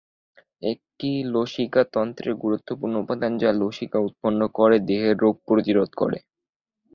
এটি লসিকা তন্ত্রের গুরুত্বপূর্ণ উপাদান যা লসিকা উৎপন্ন করে দেহের রোগ প্রতিরোধ করে।